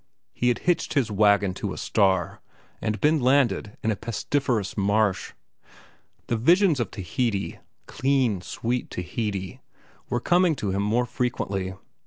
He had hitched his wagon to a star and been landed in a pestiferous marsh. The visions of Tahiti—clean, sweet Tahiti—were coming to him more frequently.